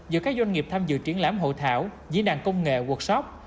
giữa các doanh nghiệp tham dự triển lãm hội thảo dĩ đàn công nghệ workshop